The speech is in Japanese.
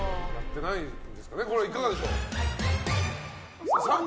これはいかがでしょう？